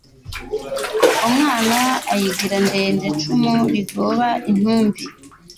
Umwana ayigira ndendeIcumu rigornba intumbi